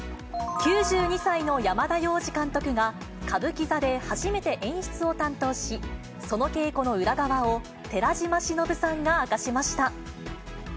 ９２歳の山田洋次監督が、歌舞伎座で初めて演出を担当し、その稽古の裏側を寺島しのぶさんが明かしました。